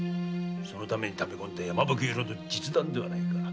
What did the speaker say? そのために貯め込んだ山吹色の実弾ではないか。